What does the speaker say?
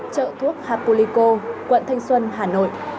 chợ thuốc hapuliko quận thanh xuân hà nội